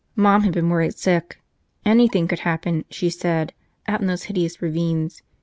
Mom had been worried sick. Anything could happen, she said, out in those hideous ravines.